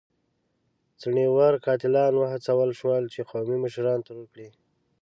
څڼيور قاتلان وهڅول شول چې قومي مشران ترور کړي.